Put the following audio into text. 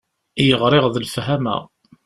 I yeɣriɣ d lefhama.